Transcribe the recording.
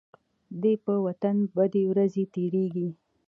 د په وطن بدې ورځې تيريږي.